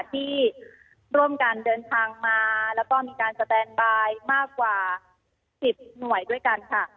ที่ร่วมกันเดินทางมาแล้วก็มีการสแตนบายมากกว่า๑๐หน่วยด้วยกันค่ะ